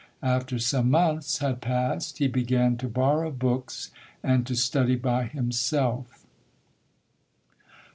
After some months had passed he began to borrow books and to study by himself.